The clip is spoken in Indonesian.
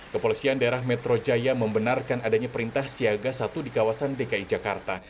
kepolisian daerah metro jaya membenarkan adanya perintah siaga satu di kawasan dki jakarta